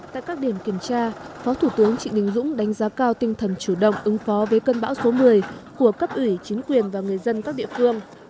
tại các điểm kiểm tra phó thủ tướng trịnh đình dũng đánh giá cao tinh thần chủ động ứng phó với cơn bão số một mươi của cấp ủy chính quyền và người dân các địa phương